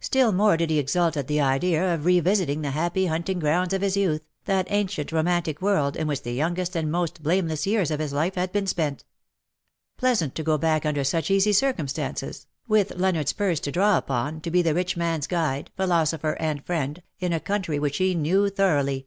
Still more did he exult at the idea of re visiting the happy hunting grounds of his youth, that ancient romantic world in which the youngest and most blameless years of his life had been spent. Pleasant to go back under such easy circumstances, with 304 WE HAVE DONE WITH Leonard's purse to draw upon_, to be the rich man's guide, philosopher^ and friend, in a country which he knew thoroughly.